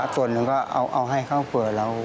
ส่วนหนึ่งก็เอาให้เข้าเผื่อเรา